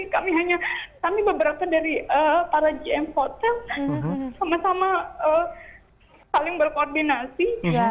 kami hanya kami beberapa dari para gm hotel sama sama saling berkoordinasi